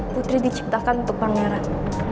putri diciptakan untuk pangeran